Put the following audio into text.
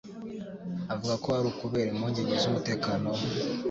Avuga ko ar'ukubera impungenge z'umutekano we